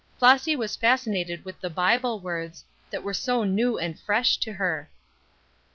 Flossy was fascinated with the Bible words, that were so new and fresh to her.